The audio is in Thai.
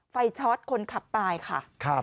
ไฟช็อตคนขับไปค่ะ